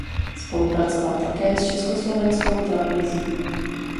Spolupracoval také s Československou televizí.